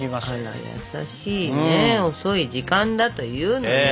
あら優しいね遅い時間だというのに。